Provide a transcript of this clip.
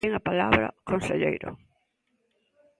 Ten a palabra, conselleiro.